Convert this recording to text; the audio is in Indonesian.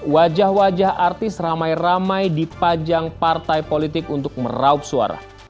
wajah wajah artis ramai ramai dipajang partai politik untuk meraup suara